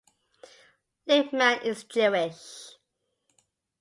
Lipman is Jewish.